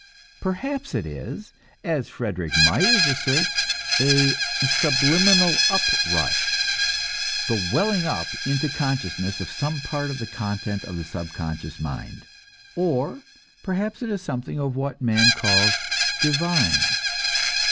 Perhaps it is, as Frederic Myers asserts, a "subliminal uprush," the welling up into the consciousness of some part of the content of the subconscious mind. Or perhaps it is something of what man calls "divine."